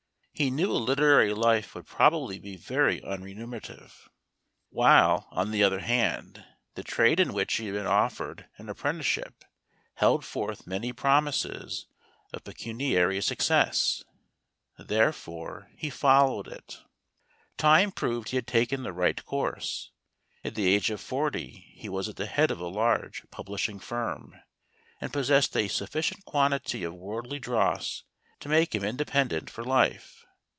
He knew a literary life would probably be very unre munerative; while, on the other hand, the trade in which he had been offered an apprenticeship held forth many promises of pecuniary success. There¬ fore he followed it. Time proved he had taken the right course. At the age of forty he was at the head of a large pub¬ lishing firm, and possessed a sufficient quantity of worldly dross to make him independent for life.